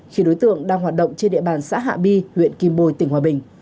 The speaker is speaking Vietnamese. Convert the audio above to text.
khi đối tượng đang hoạt động trên địa bàn xã hạ bi huyện kim bồi tỉnh hòa bình